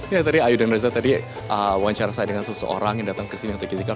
ya tadi ayu dan reza tadi wawancara saya dengan seseorang yang datang ke sini untuk istiqla